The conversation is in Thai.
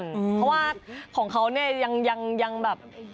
เพราะว่าของเขาเนี่ยยังแบบ